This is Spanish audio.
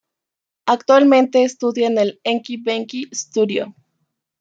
Actualmente estudia en el ""Enki-Benki Studio"".